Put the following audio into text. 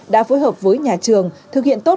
đã phối hợp với nhà trường thực hiện tốt